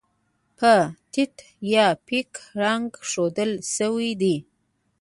په تت یا پیکه رنګ ښودل شوي دي.